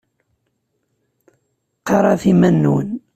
Qarɛet iman-nwen.